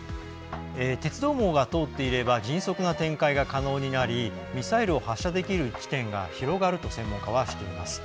鉄道網が通っていれば迅速な展開が可能になりミサイルを発射できる地点が広がると、専門家はしています。